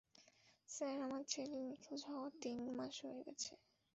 Sir, আমার ছেলে নিখোঁজ হওয়ার তিন মাস হয়ে গেছে।